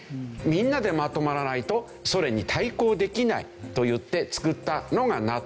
みんなでまとまらないとソ連に対抗できないといってつくったのがＮＡＴＯ。